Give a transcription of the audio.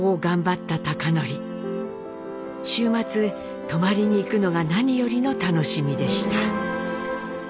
週末泊まりに行くのが何よりの楽しみでした。